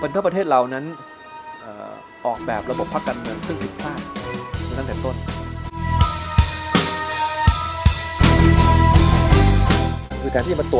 แต่มีระบอบกลับหน่อย